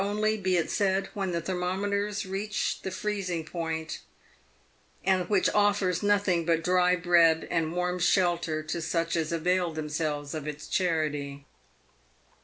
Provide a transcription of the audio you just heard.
only, be it said, when the thermometer reaches freezing point, and) which offers nothing but dry bread and warm shelter to such as| avail themselves of its charity.